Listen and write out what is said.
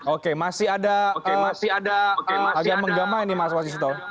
oke masih ada agama menggama ini mas wasisto